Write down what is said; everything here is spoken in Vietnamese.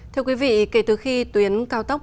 thưa quý vị kể từ khi tuyến cao tốc